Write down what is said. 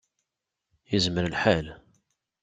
Yezmer lḥal.